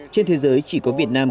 trên thế giới chỉ có việt nam